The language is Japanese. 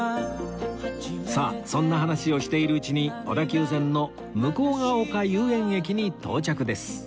さあそんな話をしているうちに小田急線の向ヶ丘遊園駅に到着です